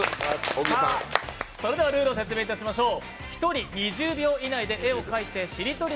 それではルールを説明しましょう。